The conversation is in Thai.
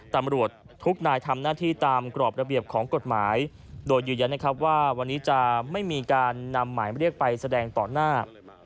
ตำรวจทุกนายทำหน้าที่ตามกรอบระเบียบของกฎหมายโดยยืนยันนะครับว่าวันนี้จะไม่มีการนำหมายเรียกไปแสดงต่อหน้า